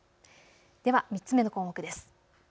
では３つ目の項目です。